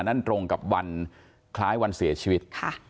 นั่นตรงกับวันคล้ายวันเสียชีวิต